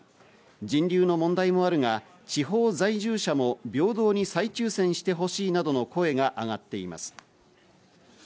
人流の問題もあるが地方在住者も平等に再抽選してほしいなどの声が上がっています。